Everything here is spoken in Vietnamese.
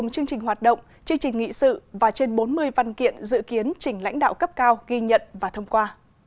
chương trình nghị sự và trên bốn mươi văn kiện dự kiến chỉnh lãnh đạo cấp cao ghi nhận và thông qua